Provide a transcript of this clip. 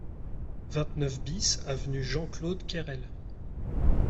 vingt-neuf BIS avenue Jean Claude Cayrel